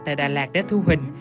tại đà lạt để thu hình